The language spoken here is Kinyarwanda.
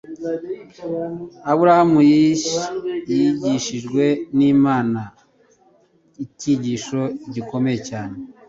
Aburahamu yigishijwe n'Imana icyigisho gikomeye cyane